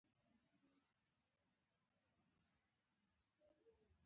جوجو له سیارې راغلی و.